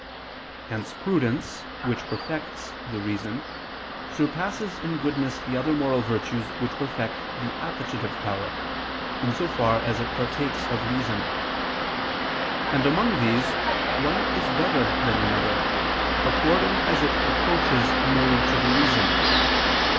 Hence prudence which perfects the reason, surpasses in goodness the other moral virtues which perfect the appetitive power, in so far as it partakes of reason. And among these, one is better than another, according as it approaches nearer to the reason.